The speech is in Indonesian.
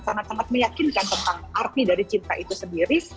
sangat sangat meyakinkan tentang arti dari cinta itu sendiri